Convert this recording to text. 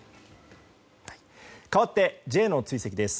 かわって、Ｊの追跡です。